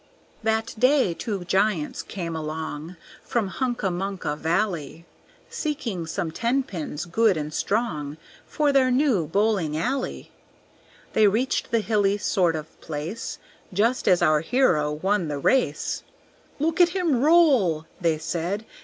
That day two giants came along From Huncamunca Valley, Seeking some tenpins good and strong For their new bowling alley. They reached the hilly sort of place Just as our hero won the race; "Look at him roll!" They said.